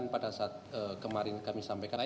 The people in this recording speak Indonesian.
pada saat kemarin kami sampaikan